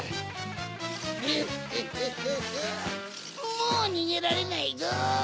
もうにげられないぞ！